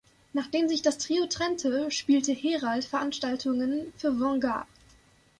Nachdem sich das Trio trennte, spielte Herald Veranstaltungen für Vanguard.